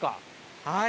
はい。